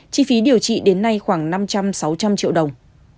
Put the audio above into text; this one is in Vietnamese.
chi phí điều trị đến nay khoảng năm trăm linh sáu trăm linh triệu đồng